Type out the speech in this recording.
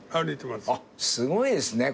すごいですね